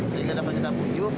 sehingga dapat kita pujuk